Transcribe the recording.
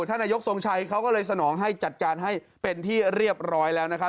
ท่านนายกทรงชัยเขาก็เลยสนองให้จัดการให้เป็นที่เรียบร้อยแล้วนะครับ